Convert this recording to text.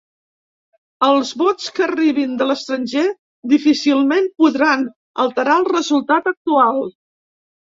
Els vots que arribin de l’estranger difícilment podran alterar el resultat actual.